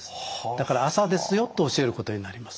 だから朝ですよと教えることになります。